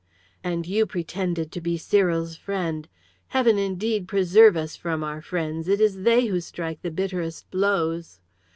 "And you pretended to be Cyril's friend! Heaven indeed preserve us from our friends, it is they who strike the bitterest blows!